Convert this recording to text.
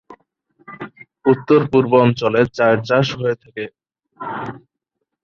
উত্তর-পূর্ব অঞ্চলে চায়ের চাষ হয়ে থাকে।